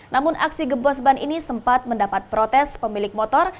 namun aksi gebos ban ini sempat mendapat protes pemilik motor